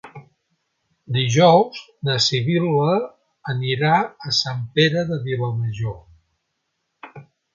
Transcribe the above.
Dijous na Sibil·la anirà a Sant Pere de Vilamajor.